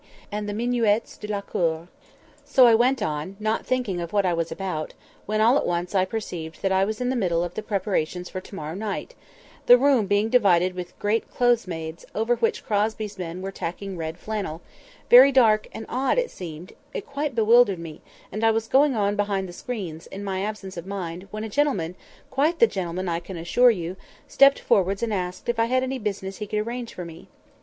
and the minuets de la cour!); so I went on, not thinking of what I was about, when, all at once, I perceived that I was in the middle of the preparations for to morrow night—the room being divided with great clothes maids, over which Crosby's men were tacking red flannel; very dark and odd it seemed; it quite bewildered me, and I was going on behind the screens, in my absence of mind, when a gentleman (quite the gentleman, I can assure you) stepped forwards and asked if I had any business he could arrange for me.